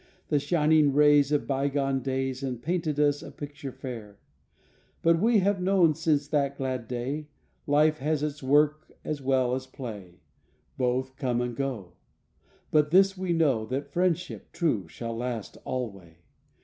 The shining rays Of bygone days And painted us a picture fair But we have known since that glad day Life has its work as well as play Both come and go, But this we know That friendship true shall last alway.